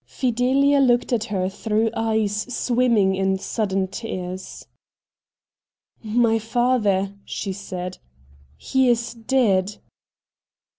Fideha looked at her through eyes swim ming in sudden tears. ' My father,' she said. ' He is dead